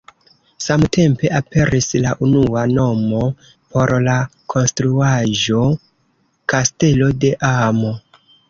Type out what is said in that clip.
Samtempe aperis la unua nomo por la konstruaĵo: "Kastelo de amo".